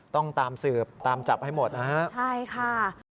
ต้องตามสืบตามจับให้หมดนะฮะใช่ค่ะ